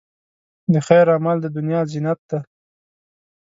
د خیر عمل، د دنیا زینت دی.